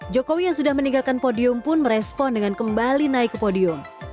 jokowi yang sudah meninggalkan podium pun merespon dengan kembali naik ke podium